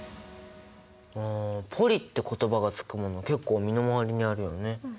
ポリって言葉が付くもの結構身の回りにあるよね。